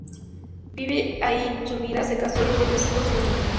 Vivió allí toda su vida, se casó, y tuvo tres hijas y un hijo.